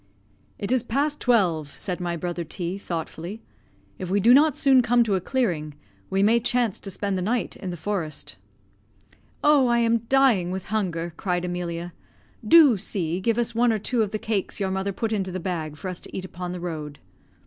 "It is past twelve," said my brother T thoughtfully; "if we do not soon come to a clearing, we may chance to spend the night in the forest." "Oh, I am dying with hunger," cried Emilia. "Do C , give us one or two of the cakes your mother put into the bag for us to eat upon the road."